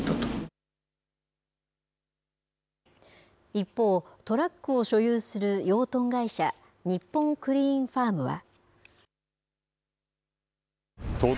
一方、トラックを所有する養豚会社、日本クリーンファームは。